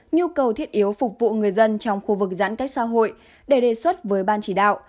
nhu cầu thiết yếu phục vụ người dân trong khu vực giãn cách xã hội để đề xuất với ban chỉ đạo